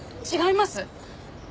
違います！